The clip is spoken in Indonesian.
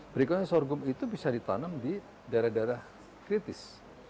berikutnya sorghum itu bisa ditanam di daerah daerah kritis